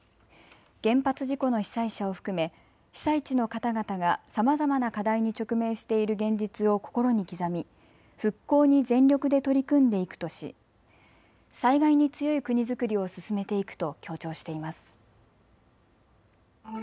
原発事故の被災者を含め被災地の方々がさまざまな課題に直面している現実を心に刻み復興に全力で取り組んでいくとし、災害に強い国づくりを進めていくと強調しています。